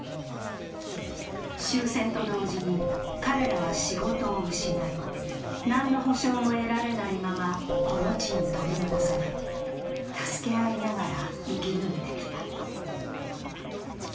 終戦と同時に彼らは仕事を失い、何の補償も得られないままこの地に取り残され、助け合いながら生き抜いてきた。